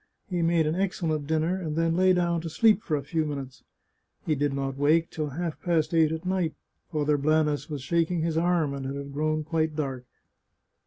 He made an excellent dinner, and then lay down to sleep for a few minutes. He did not wake till half past eight at night. Father Blanes was shaking his arm, and it had grown quite dark.